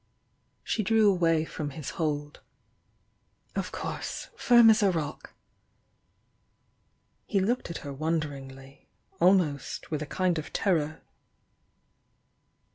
She drew away from his hold. "Of course! Firm as a rock!" He looked at her wonderingly,— almost with a kind of terror.